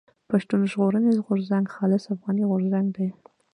پښتون ژغورني غورځنګ خالص افغاني غورځنګ دی.